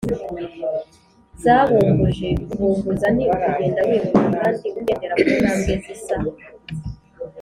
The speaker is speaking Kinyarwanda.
zabumbuje: kubumbuza ni ukugenda wihuta kandi ugendera ku tambwe zisa